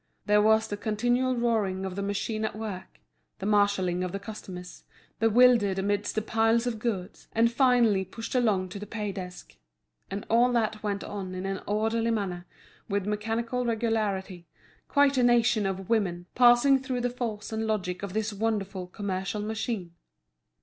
There was the continual roaring of the machine at work, the marshalling of the customers, bewildered amidst the piles of goods, and finally pushed along to the pay desk. And all that went on in an orderly manner, with mechanical regularity, quite a nation of women passing through the force and logic of this wonderful commercial machine.